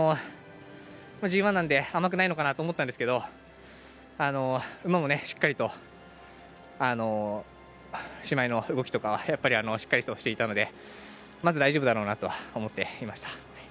ＧＩなんで甘くないのかなって思ったんですけど馬も、しっかりとしまいの動きとかやっぱり、しっかりしていたのでまず大丈夫だろうなと思っていました。